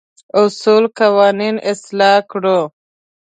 اصول قوانين اصلاح کړو.